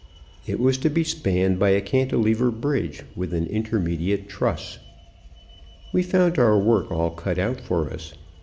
It was to be spanned by a cantilever bridge with an intermediate truss. "We found our work all cut out for us.